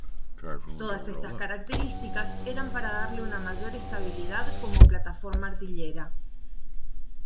Todas estas características eran para darle una mayor estabilidad como plataforma artillera.